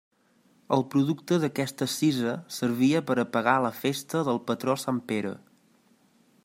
El producte d'aquesta cisa servia per a pagar la festa del patró sant Pere.